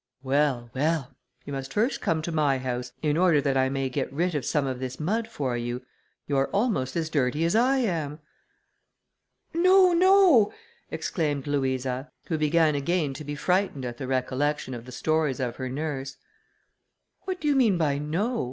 "Well! well! you must first come to my house, in order that I may get rid of some of this mud for you; you are almost as dirty as I am." "No! no!" exclaimed Louisa, who began again to be frightened at the recollection of the stories of her nurse. "What do you mean by 'No?'